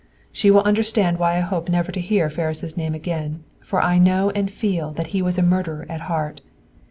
"She will understand why I hope never to hear Ferris' name again, for I know and feel that he was a murderer at heart.